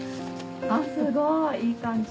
すごいいい感じ。